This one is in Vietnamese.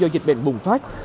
các hành pháp